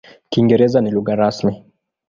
Kiingereza ni lugha rasmi.